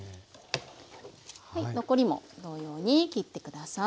残りも同様に切って下さい。